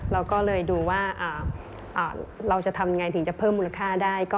เราก็เลยดูว่าเราจะทำยังไงถึงจะเพิ่มมูลค่าได้